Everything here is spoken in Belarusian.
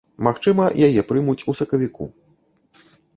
Магчыма, яе прымуць ў сакавіку.